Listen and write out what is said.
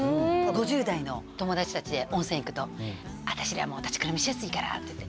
５０代の友達たちで温泉行くとあたしらもう立ちくらみしやすいからっていって。